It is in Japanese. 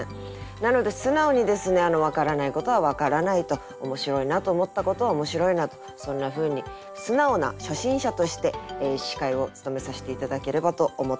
なので素直にですね分からないことは分からないと面白いなと思ったことは面白いなとそんなふうに素直な初心者として司会を務めさせて頂ければと思っております。